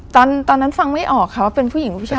ตอนนั้นฟังไม่ออกค่ะว่าเป็นผู้หญิงหรือผู้ชาย